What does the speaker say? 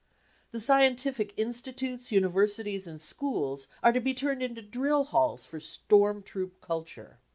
The scientific institutes, universities and schools are to be turned into drill halls for " Storm troop culture."